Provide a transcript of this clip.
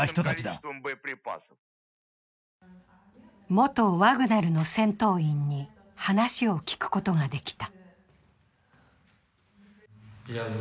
元ワグネルの戦闘員に話を聞くことができた。